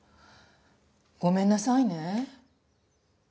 ごめんなさいね。